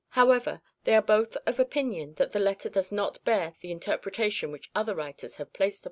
However, they are both of opinion that the letter does not bear the interpretation which other writers have placed upon it.